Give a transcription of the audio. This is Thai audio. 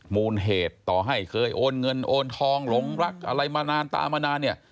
มูลเหตุต่อให้เคยโอนเงินโอนทองหลงรักอะไรมานานตามมานานเนี่ย